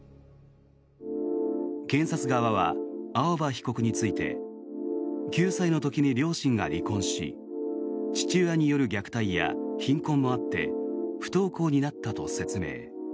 検察側は青葉被告について９歳の時に両親が離婚し父親による虐待や貧困もあって不登校になったと説明。